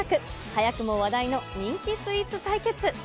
早くも話題の人気スイーツ対決。